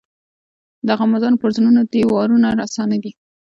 د غمازانو پر زړونو دي وارونه رسا نه دي.